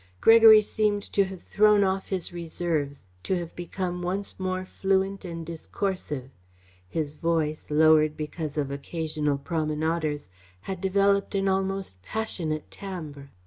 Gregory seemed to have thrown off his reserves, to have become once more fluent and discoursive. His voice, lowered because of occasional promenaders, had developed an almost passionate timbre.